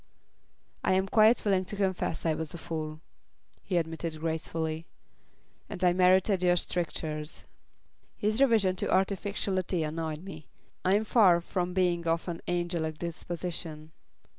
"I am quite willing to confess I was a fool," he admitted gracefully. "And I merited your strictures." His reversion to artificiality annoyed me. I'm far from being of an angelic disposition.